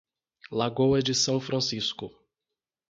Lagoa de São Francisco